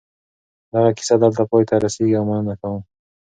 دغه کیسه دلته پای ته رسېږي او مننه کوم.